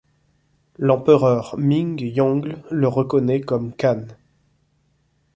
L'empereur Ming Yongle le reconnait comme khan.